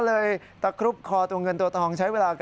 ตอนแรกก็ไม่แน่ใจนะคะ